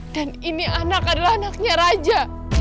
dan ini anak adalah anaknya raja